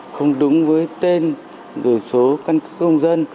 có ba trăm linh đồng một vé